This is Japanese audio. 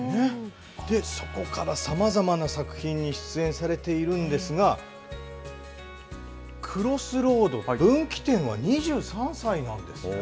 そこからさまざまな作品に出演されているんですが、Ｃｒｏｓｓｒｏａｄ・分岐点は２３歳なんですね。